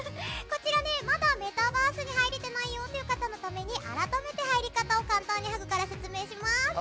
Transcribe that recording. まだメタバースに入れていないという方に改めて入り方を簡単にハグから説明します。